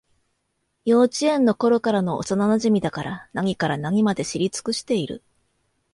幼稚園のころからの幼なじみだから、何から何まで知り尽くしている